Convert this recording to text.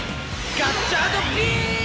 ガッチャードビーム！